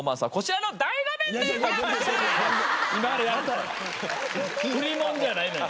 売り物じゃないのよ。